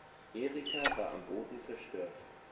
Erika war am Boden zerstört.